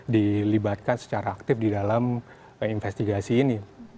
dilibatkan secara aktif di dalam investigasi ini